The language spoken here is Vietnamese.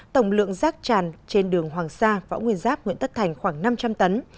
tổng lượng rác tràn trên đường hoàng sa võ nguyên giáp nguyễn tất thành khoảng năm trăm linh tấn